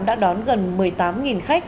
đã đón gần một mươi tám khách